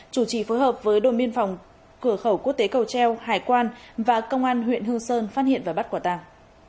chủ trì phối hợp với đồn biên phòng cửa khẩu quốc tế cầu treo hải quan và công an huyện hương sơn phát hiện và bắt quả tàng